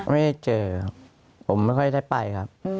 ไม่ได้เจอครับผมไม่ค่อยได้ไปครับ